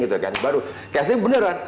gitu kan baru casting beneran